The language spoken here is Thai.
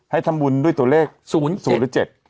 ให้ทำบุญด้วยส่วนโตเลข